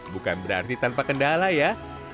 bukan berarti tanpa kendala ya